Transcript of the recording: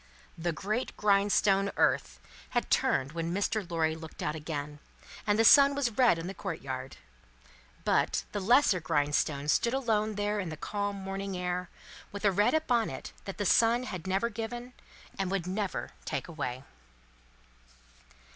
The great grindstone, Earth, had turned when Mr. Lorry looked out again, and the sun was red on the courtyard. But, the lesser grindstone stood alone there in the calm morning air, with a red upon it that the sun had never given, and would never take away.